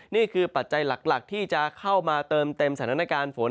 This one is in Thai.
ปัจจัยหลักที่จะเข้ามาเติมเต็มสถานการณ์ฝน